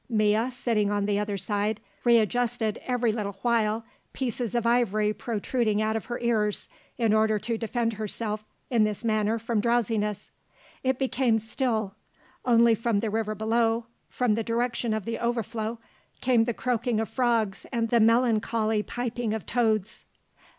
Mea, sitting on the other side, readjusted every little while pieces of ivory protruding out of her ears, in order to defend herself in this manner from drowsiness. It became still; only from the river below, from the direction of the overflow, came the croaking of frogs and the melancholy piping of toads.